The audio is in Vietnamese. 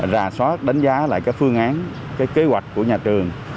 rà soát đánh giá lại các phương án kế hoạch của nhà trường